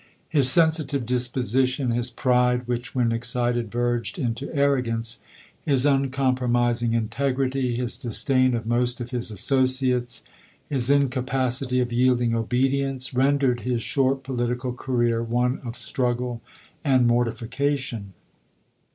His sensitive disposition, his pride, which, when excited, verged into arrogance ; his uncompro mising integrity, his disdain of most of his lodoui:. 127 associates, his incapacity of yielding obedience, rendered his short political career one of strug gle and mortification.